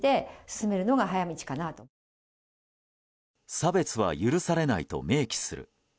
差別は許されないと明記する。